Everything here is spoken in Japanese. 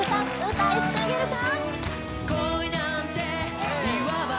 歌いつなげるか？